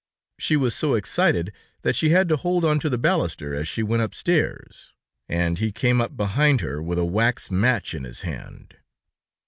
She was so excited that she had to hold onto the baluster as she went upstairs, and he came up behind her, with a wax match in his hand.